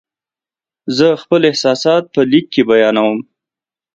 زه خپل احساسات په لیک کې بیانوم.